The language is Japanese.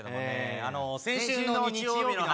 あの先週の日曜日の話